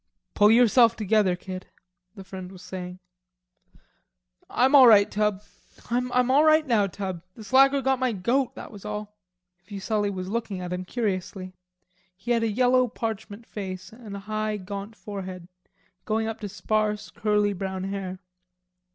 "Pull yourself together, kid," the friend was saying. "All right, Tub; I'm all right now, Tub. That slacker got my goat, that was all." Fuselli was looking at him curiously. He had a yellow parchment face and a high, gaunt forehead going up to sparse, curly brown hair.